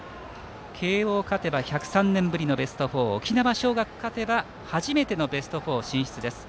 慶応勝てば１０３年ぶりのベスト４。沖縄尚学勝てば初めてのベスト４進出です。